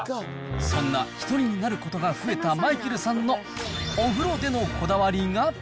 そんな１人になることが増えたマイケルさんのお風呂でのこだわりが。